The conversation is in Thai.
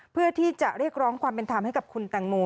เพื่อที่จะเรียกร้องความเป็นธรรมให้กับคุณแตงโม